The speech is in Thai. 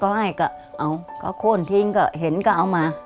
ก็ให้ก็เอาก็โค้นทิ้งก็เห็นก็เอามา